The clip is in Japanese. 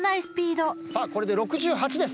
さあこれで６８です。